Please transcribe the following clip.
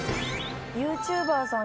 ＹｏｕＴｕｂｅｒさん